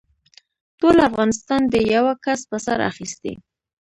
ټول افغانستان دې يوه کس په سر اخيستی.